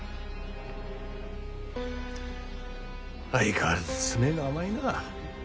相変わらず詰めが甘いな。